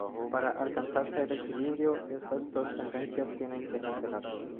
Para alcanzarse el equilibrio, estas dos tendencias tienen que cancelarse.